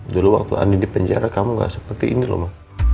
dulu waktu andi di penjara kamu gak seperti ini loh mas